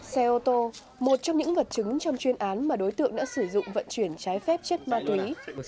xe ô tô một trong những vật chứng trong chuyên án mà đối tượng đã sử dụng vận chuyển trái phép chất ma túy